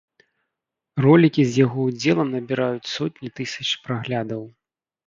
Ролікі з яго удзелам набіраюць сотні тысяч праглядаў.